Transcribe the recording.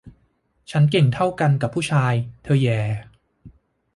ฉันเก่งเท่ากันกับผู้ชาย เธอแหย่